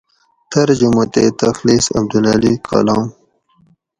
ترجمہ تے تخلیص: عبدالعلی کالام